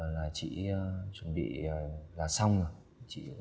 là chị chuẩn bị là xong rồi